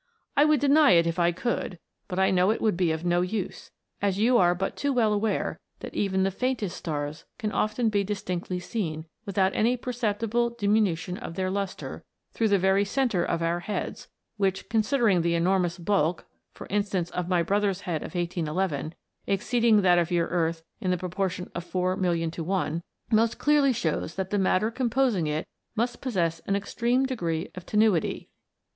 I would deny it if I could, but I know it would be of no use ; as you are but too well aware that even the faintest stars can often be distinctly seen, without any per ceptible diminution of their lustre, through the very centre of our heads, which, considering the enor mous bulk, for instance, of my brother's head of 1811 exceeding that of your earth in the propor tion of 4,000,000 to 1 most clearly shows that the matter composing it must possess an extreme degree of tenuity.